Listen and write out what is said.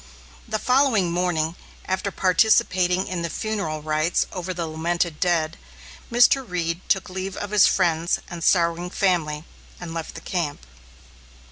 The following morning, after participating in the funeral rites over the lamented dead, Mr. Reed took leave of his friends and sorrowing family and left the camp.